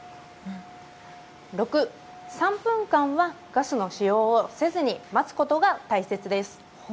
６、３分間はガスの使用をせずに待つことが大切です。